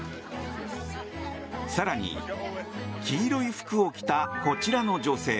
更に黄色い服を着たこちらの女性。